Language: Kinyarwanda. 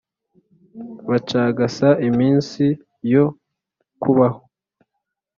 bacagasa iminsi yo kubaho.